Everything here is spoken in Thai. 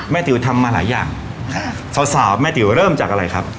ติ๋วทำมาหลายอย่างสาวสาวแม่ติ๋วเริ่มจากอะไรครับ